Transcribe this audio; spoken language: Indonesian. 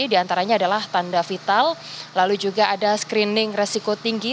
di antaranya adalah tanda vital lalu juga ada screening resiko tinggi